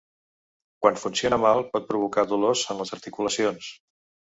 Quan funciona mal, pot provocar dolors en les articulacions.